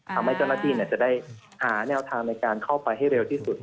ทำให้เจ้าหน้าที่จะได้หาแนวทางในการเข้าไปให้เร็วที่สุด